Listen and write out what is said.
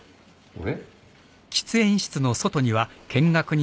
俺？